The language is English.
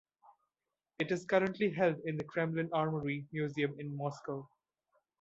It is currently held in the Kremlin Armoury Museum in Moscow.